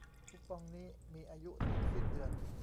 คูปองนี้มีอายุถึงสิ้นเดือน